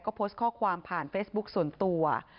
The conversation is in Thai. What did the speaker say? ก็โพสต์ข้อความผ่านเฟซบุ๊คส่วนตัว